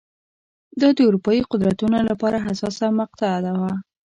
دا د اروپايي قدرتونو لپاره حساسه مقطعه وه.